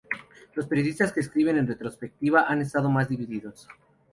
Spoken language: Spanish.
Los periodistas que escriben en retrospectiva han estado más divididos.